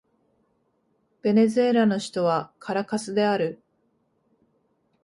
ベネズエラの首都はカラカスである